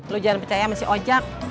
lo jangan percaya sama si ojak